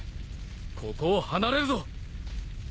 ここを離れるぞ！